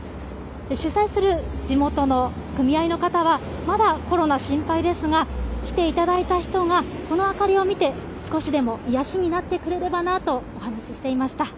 主催する地元の組合の方は、まだコロナ心配ですが、来ていただいた人が、この明かりを見て、少しでも癒やしになってくれればなとお話ししていました。